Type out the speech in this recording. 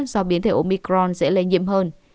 do biến thể omicron dễ lây nhiễm hơn